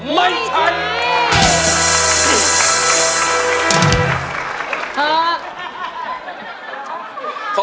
ไม่ใช้